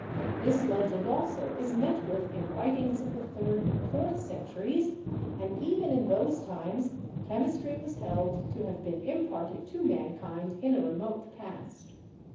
This legend also is met with in writings of the third and fourth centuries, and even in those times chemistry was held to have been imparted to mankind in a remote past.